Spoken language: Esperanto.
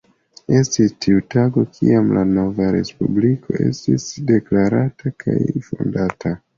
Estis tiu tago, kiam la nova respubliko estis deklarata kaj fondata.